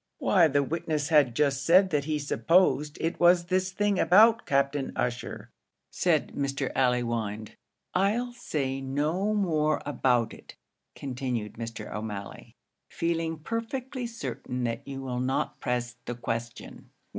"Why the witness had just said that he supposed it was this thing about Captain Ussher," said Mr. Allewinde. "I'll say no more about it," continued Mr. O'Malley, "feeling perfectly certain that you will not press the question."